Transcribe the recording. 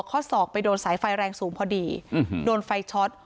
ข้อศอกไปโดนสายไฟแรงสูงพอดีโดนไฟช็อต